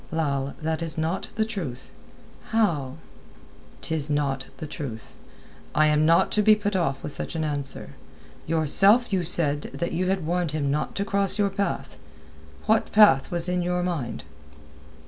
"Lal, that is not the truth." "How?" "'Tis not the truth. I am not to be put off with such an answer. Yourself you said that you had warned him not to cross your path. What path was in your mind?"